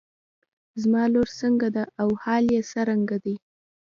زما لور څنګه ده او حال يې څرنګه دی.